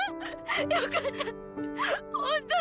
よかった！